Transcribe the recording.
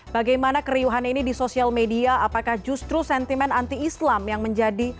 bagaimana keriuhan ini di sosial media apakah justru sentimen anti islam yang menjadi